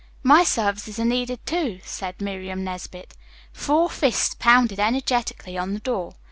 "My services are needed, too," said Miriam Nesbit. Four fists pounded energetically on the door.